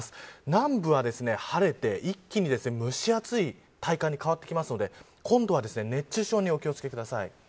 南部は晴れて、一気に蒸し暑い体感に変わってくるので今度は熱中症にお気を付けください。